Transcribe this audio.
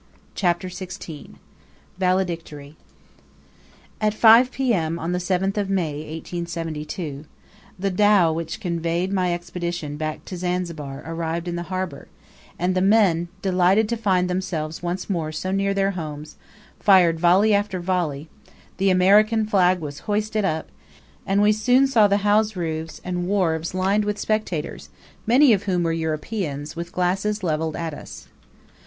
CHAPTER XVI. VALEDICTORY. At 5 P.M., on the 7th of May, 1872, the dhow which conveyed my Expedition back to Zanzibar arrived in the harbor, and the men, delighted to find themselves once more so near their homes, fired volley after volley, the American flag was hoisted up, and we soon saw the house roofs and wharves lined with spectators, many of whom were Europeans, with glasses levelled at us.